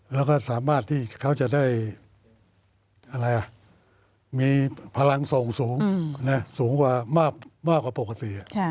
แล้วก็สามารถที่เขาจะได้มีพลังส่งสูงสูงกว่ามากกว่าปกติ